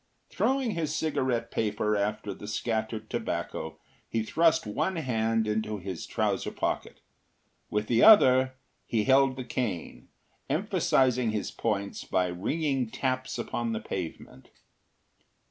” Throwing his cigarette paper after the scattered tobacco he thrust one hand into his trouser pocket. With the other he held the cane, emphasising his points by ringing taps upon the pavement.